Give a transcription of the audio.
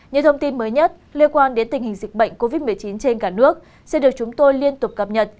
những thông tin mới nhất liên quan đến tình hình dịch bệnh covid một mươi chín trên cả nước sẽ được chúng tôi liên tục cập nhật